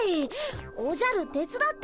おじゃる手伝って。